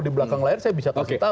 di belakang layar saya bisa tahu